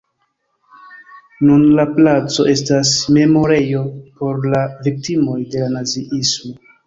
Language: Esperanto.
Nun la placo estas memorejo por la viktimoj de la naziismo.